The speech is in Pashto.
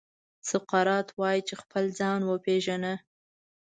سقراط وايي چې خپل ځان وپېژنه.